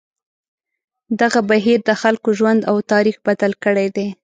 دغه بهیر د خلکو ژوند او تاریخ بدل کړی دی.